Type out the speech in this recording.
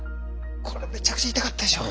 これめちゃくちゃ痛かったでしょう。